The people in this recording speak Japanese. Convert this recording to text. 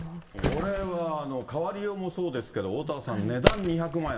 これは変わりようもそうですけど、おおたわさん、値段２００万円。